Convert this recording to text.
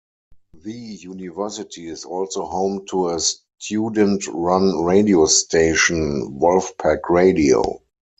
The university is also home to a student-run radio station, Wolf Pack Radio.